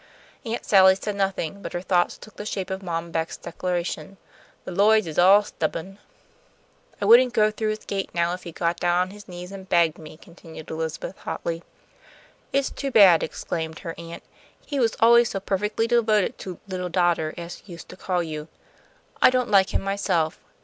Aunt Sally said nothing, but her thoughts took the shape of Mom Beck's declaration, "The Lloyds is all stubborn." "I wouldn't go through his gate now if he got down on his knees and begged me," continued Elizabeth, hotly. "It's too bad," exclaimed her aunt; "he was always so perfectly devoted to 'little daughter,' as he used to call you. I don't like him myself.